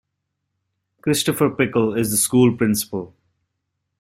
Christopher Pickell is the school principal.